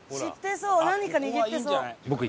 何か握ってそう。